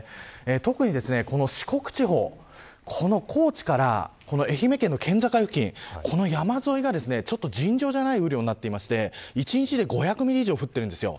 特に四国地方高知から愛媛県の県境付近山沿いが尋常じゃない雨量になっていて１日で５００ミリ以上降っています。